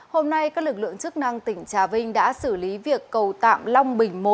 hôm nay các lực lượng chức năng tỉnh trà vinh đã xử lý việc cầu tạm long bình một